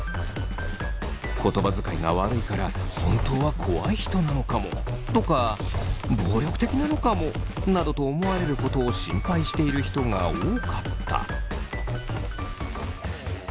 言葉遣いが悪いから本当は怖い人なのかもとか暴力的なのかもなどと思われることを心配している人が多かった。